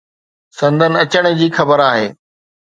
سندن اچڻ جي خبر آهي